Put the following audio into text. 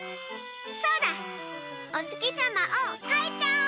そうだおつきさまをかいちゃおう！